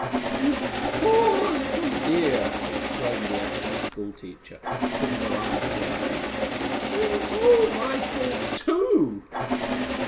"You poor little dear!" exclaimed the actress schoolteacher, putting her arms around him. "It was all my fault, too!"